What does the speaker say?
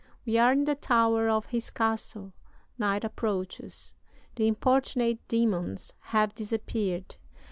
We are in the tower of his castle. Night approaches. The importunate demons have disappeared.